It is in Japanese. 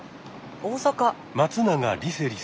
大阪。